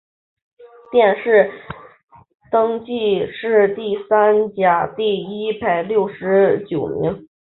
殿试登进士第三甲第一百六十九名。